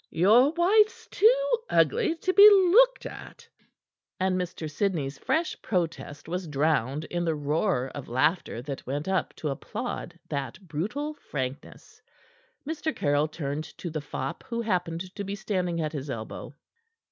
"Your wife's too ugly to be looked at." And Mr. Sidney's fresh protest was drowned in the roar of laughter that went up to applaud that brutal frankness. Mr. Caryll turned to the fop, who happened to be standing at his elbow.